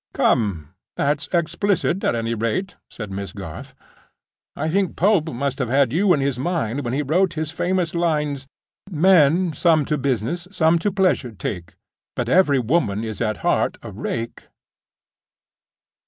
"Come! that's explicit at any rate," said Miss Garth. "I think Pope must have had you in his mind when he wrote his famous lines: "Men some to business, some to pleasure take, But every woman is at heart a rake."